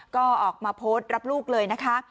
ก็ออกมาโพสต์รับลูกเลยนะคะ